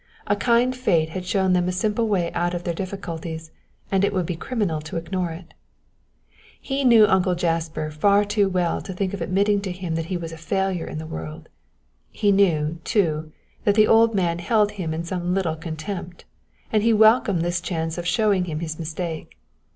A kind fate had shown them a simple way out of their difficulties, and it would be criminal to ignore it. He knew Uncle Jasper far too well to think of admitting to him that he was a failure in the world. He knew, too, that the old man held him in some little contempt, and he welcomed this chance of showing him his mistake.